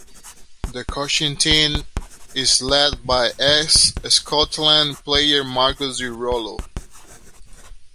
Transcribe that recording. The coaching team is led by ex-Scotland player Marcus Di Rollo.